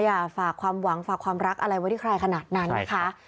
อยากฝากความหวังฝากความรักอะไรไว้ที่ใครขนาดนั้นนะคะ